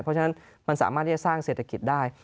เพราะฉะนั้นมันสามารถที่จะสร้างเศรษฐกิจได้